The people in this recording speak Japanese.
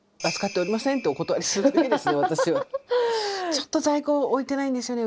ちょっと在庫置いてないんですよね